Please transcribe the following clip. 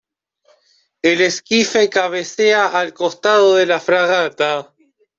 el esquife cabecea al costado de la fragata.